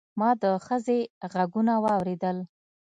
ما د ښځې غږونه واورېدل.